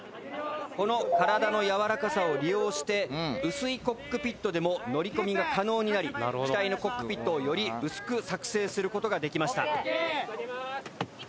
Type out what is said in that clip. この体の柔らかさを利用して薄いコックピットでも乗り込みが可能になり機体のコックピットをより薄く作製する事ができました。